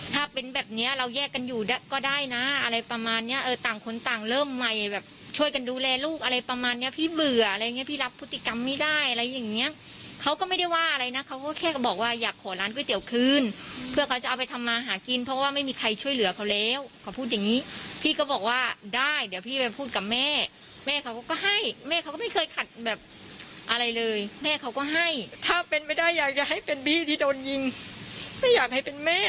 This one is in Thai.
ถ้าเป็นแบบเนี้ยเราแยกกันอยู่ก็ได้น่ะอะไรประมาณเนี้ยเออต่างคนต่างเริ่มใหม่แบบช่วยกันดูแลลูกอะไรประมาณเนี้ยพี่เบื่ออะไรอย่างเงี้ยพี่รับพฤติกรรมไม่ได้อะไรอย่างเงี้ยเขาก็ไม่ได้ว่าอะไรน่ะเขาก็แค่ก็บอกว่าอยากขอร้านก๋วยเตี๋ยวคืนเพื่อเขาจะเอาไปทำมาหากินเพราะว่าไม่มีใครช่วยเหลือเขาแล้วเขาพูดอย่างงี้พี่